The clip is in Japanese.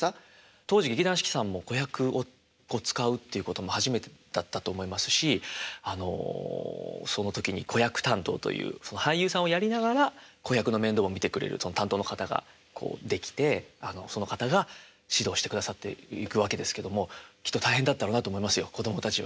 当時劇団四季さんも子役を使うっていうことも初めてだったと思いますしあのその時に子役担当という俳優さんをやりながら子役の面倒を見てくれる担当の方がこうできてその方が指導してくださっていくわけですけどもきっと大変だったろうなと思いますよ子供たちは。